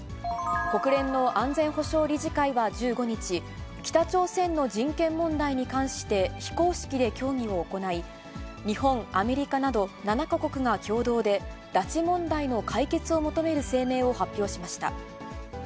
国連の安全保障理事会は１５日、北朝鮮の人権問題に関して非公式で協議を行い、日本、アメリカなど７か国が共同で、拉致問題の解決を求める声明を発表しました。